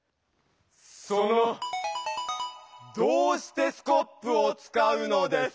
その「どうしてスコップ」をつかうのです！